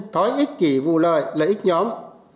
thói ích kỷ vụ lợi lợi ích nhóm